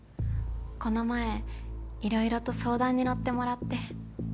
この前いろいろと相談に乗ってもらって。